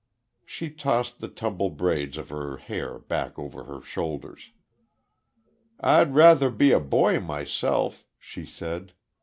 She tossed the tumbled braids of her hair back over her shoulders. "I'd rather be a boy, myself," she said.